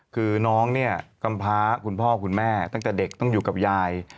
คือน้องเนี่ยกำพาคุณพ่อคุณแม่ตั้งแต่เด็กต้องอยู่กับยาย